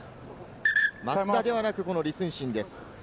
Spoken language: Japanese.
松田ではなく、李承信です。